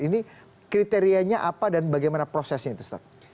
ini kriterianya apa dan bagaimana prosesnya itu ustadz